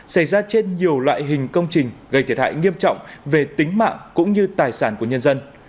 xảy ra trên nhiều loại hình công trình gây thiệt hại nghiêm trọng về tính mạng cũng như tài sản của nhân dân